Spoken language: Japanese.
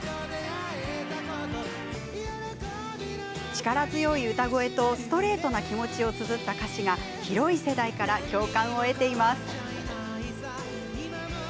力強い歌声と、ストレートな気持ちをつづった歌詞が広い世代から共感を得ています。